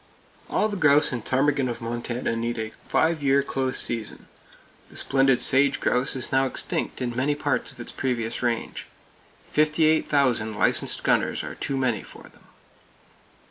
All the grouse and ptarmigan of Montana need a five year close season. The splendid sage grouse is now extinct in many parts of its previous range. Fifty eight thousand licensed gunners are too many for them!